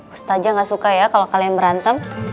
ustaja gak suka ya kalau kalian berantem